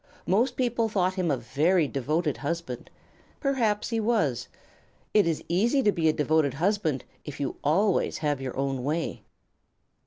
Most people thought him a very devoted husband. Perhaps he was. It is easy to be a devoted husband if you always have your own way.